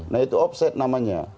nah itu offside namanya